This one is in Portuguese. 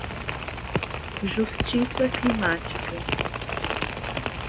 Justiça climática